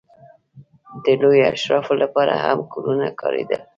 د لویو اشرافو لپاره هم کورونه کارېدل.